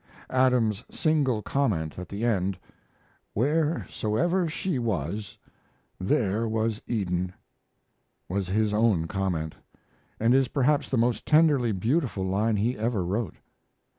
Adam's single comment at the end, "Wheresoever she was, there was Eden," was his own comment, and is perhaps the most tenderly beautiful line he ever wrote.